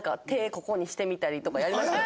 ここにしてみたりとかやりましたよ。